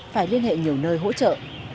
phải liên hệ nhiều nơi hỗ trợ